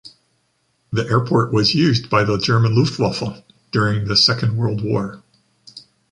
The airport was used by the German Luftwaffe during the second World War.